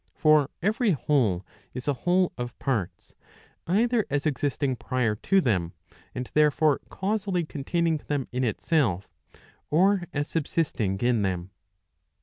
For every whole is a whole of parts, either as existing prior to them [and therefore causally containing them in itself], or as subsisting in them.